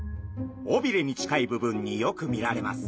尾びれに近い部分によく見られます。